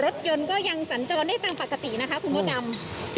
รถยนต์ก็ยังสัญจรได้ตามปกตินะคะคุณพ่อดำ